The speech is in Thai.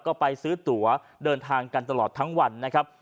ก็ไปซื้อตั๋วเดินทางกันตลอดทั้งวันนะครับ